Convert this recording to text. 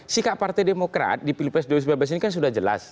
sikap partai demokrat di pilpres dua ribu sembilan belas ini kan sudah jelas